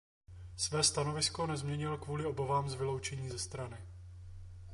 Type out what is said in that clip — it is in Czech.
Své stanovisko nezměnil kvůli obavám z vyloučení ze strany.